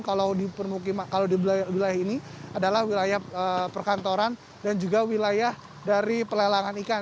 kalau di wilayah ini adalah wilayah perkantoran dan juga wilayah dari pelelangan ikan